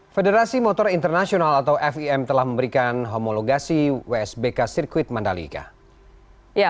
federasi motor internasional atau fim telah memberikan homologasi wsbk sirkuit mandalika